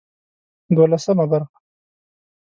دولسمه برخه